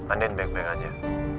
andin baik baik aja